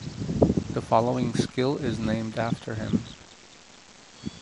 The following skill is named after him.